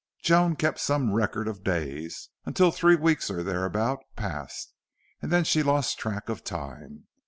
Joan kept some record of days, until three weeks or thereabout passed, and then she lost track of time.